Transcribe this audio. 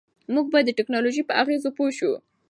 موږ باید د ټیکنالوژۍ په اغېزو پوه شو.